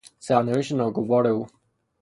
سرنوشت ناگوار او